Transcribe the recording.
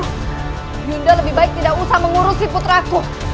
huyunda lebih baik tidak usah mengurusi puteraku